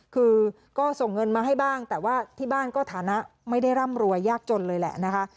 คือก็ส่งเงินมาให้บ้างแต่ว่าที่บ้านก็ฐานะไม่ได้ร่ำรวยยากจนเลยแหละนะคะ